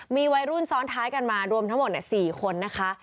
มีวัยรุ่นซ้อนท้ายกันมารวมทั้งหมด๔คนนะคะ